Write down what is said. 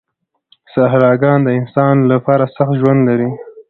صحراګان د انسان لپاره سخت ژوند لري.